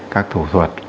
các thủ thuật